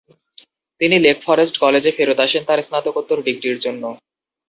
তিনি Lake Forest কলেজে ফেরত আসেন তার স্নাতকোত্তর ডিগ্রীর জন্য।